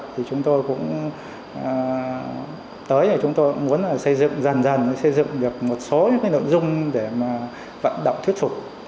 thì chúng tôi cũng tới chúng tôi muốn xây dựng dần dần xây dựng được một số nội dung để mà vận động thuyết phục